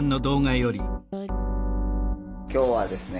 今日はですね